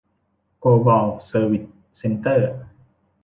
โกลบอล เซอร์วิส เซ็นเตอร์